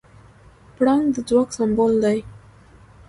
پړانګ د ځواک سمبول دی.